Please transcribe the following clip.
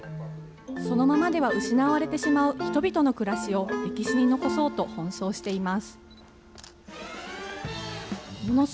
そのままでは失われてしまう人々の暮らしを、歴史に残そうと奔走しています。